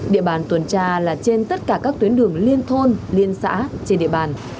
địa bàn tuần tra là trên tất cả các tuyến đường liên thôn liên xã trên địa bàn